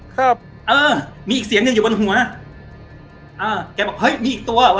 ครับเออมีอีกเสียงหนึ่งอยู่บนหัวอ่าแกบอกเฮ้ยมีอีกตัวว่